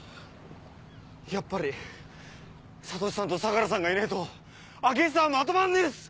やっぱり智司さんと相良さんがいねえと開久はまとまんねえっす！